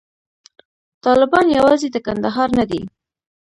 طالبان یوازې د کندهار نه دي.